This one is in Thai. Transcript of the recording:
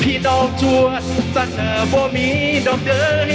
ใครคือหมออร่ำชั่วจริง